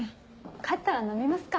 帰ったら飲みますか。